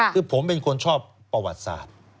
คือผมเป็นคนชอบประวัติศาสตร์